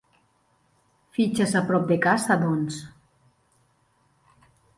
Fitxes a prop de casa, doncs.